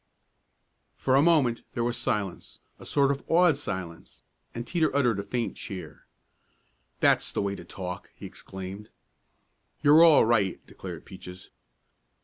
For a moment there was silence a sort of awed silence and Teeter uttered a faint cheer. "That's the way to talk!" he exclaimed. "You're all right!" declared Peaches.